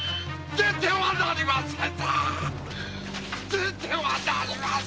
出てはなりませぬ。